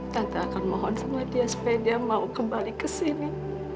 tante akan mohon sama dia supaya dia mau kembali kesini